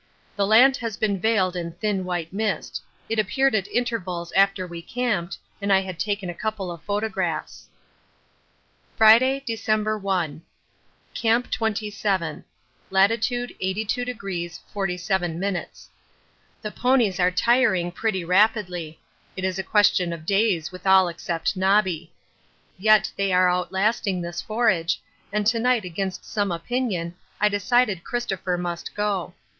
The land has been veiled in thin white mist; it appeared at intervals after we camped and I had taken a couple of photographs. Friday, December 1. Camp 27. Lat. 82° 47'. The ponies are tiring pretty rapidly. It is a question of days with all except Nobby. Yet they are outlasting the forage, and to night against some opinion I decided Christopher must go.